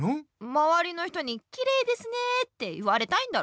まわりの人にきれいですねって言われたいんだろ。